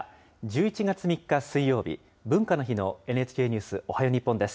１１月３日水曜日、文化の日のＮＨＫニュースおはよう日本です。